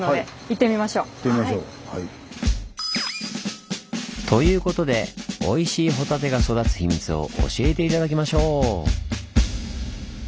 行ってみましょう。ということでおいしいホタテが育つ秘密を教えて頂きましょう！